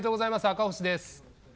赤星です。